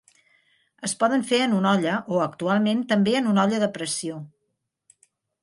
Es poden fer en una olla o, actualment, també en una olla de pressió.